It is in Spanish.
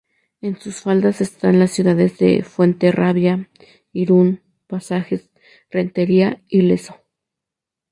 En sus faldas están las ciudades de Fuenterrabía, Irún, Pasajes, Rentería y Lezo.